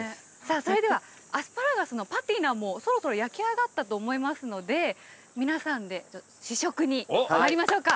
それではアスパラガスのパティナもそろそろ焼き上がったと思いますので皆さんで試食にまいりましょうか。